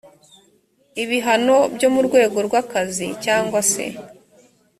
ibihano byo mu rwego rw akazi cyangwa se